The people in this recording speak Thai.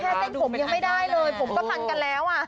เส้นผมยังไม่ได้เลยผมก็พันกันแล้ว